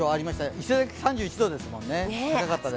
伊勢崎、３１度でしたもんね。